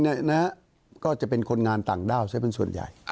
ใครนั้นก็จะเป็นคนงานต่างด้าวในส่วนใหญ่